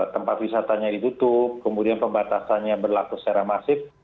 tempat wisatanya ditutup kemudian pembatasannya berlaku secara masif